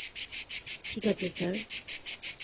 ঠিক আছে, স্যার।